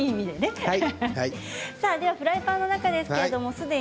ではフライパンの中です。